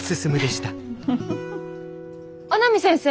阿南先生？